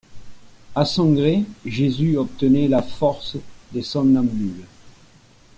A son gré, Jésus obtenait la force des somnambules.